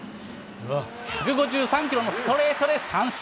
１５３キロのストレートで三振。